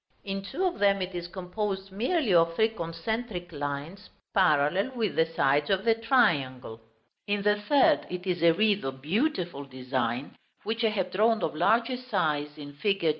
In two of them it is composed merely of three concentric lines, parallel with the sides of the triangle; in the third, it is a wreath of beautiful design, which I have drawn of larger size in fig.